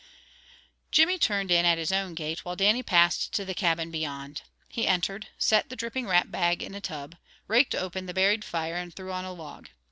Jimmy turned in at his own gate, while Dannie passed to the cabin beyond. He entered, set the dripping rat bag in a tub, raked open the buried fire and threw on a log.